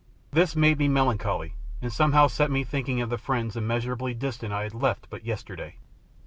This made me melancholy, and somehow set me thinking of the friends immeasurably distant I had left but yesterday.